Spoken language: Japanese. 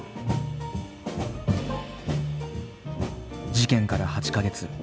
事件から８か月。